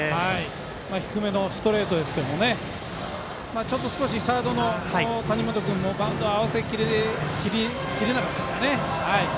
低めのストレートですけどもねちょっとサードの谷本君もバウンドを合わせきれなかったんですかね。